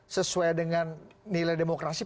sesuai dengan nilai demokrasi